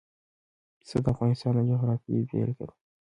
پسه د افغانستان د جغرافیې بېلګه ده.